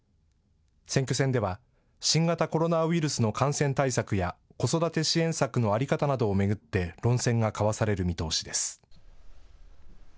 選挙戦では新型コロナウイルスの感染対策や子育て支援策の在り方などを巡って論戦が交わされる見通しです。